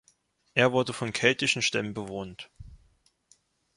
Er wurde von keltischen Stämmen bewohnt.